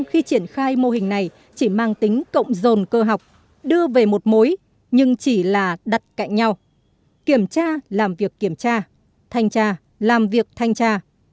kiểm tra làm việc kiểm tra thanh tra làm việc thanh tra